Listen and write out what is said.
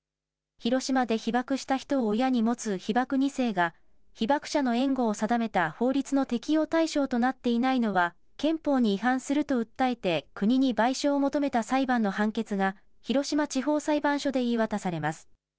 広島で被爆した人を親に持つ被爆２世が、被爆者の援護を定めた法律の適用対象となっていないのは憲法に違反すると訴えて、国に賠償を求めた裁判の判決が広島地方裁判所で言い渡されます。